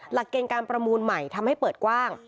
หลักเกณฑ์การประมูลใหม่ทำให้เปิดกว้าง